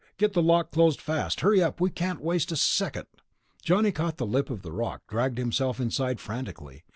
Get the lock closed, fast ... hurry up, can't waste a second." Johnny caught the lip of the lock, dragged himself inside frantically.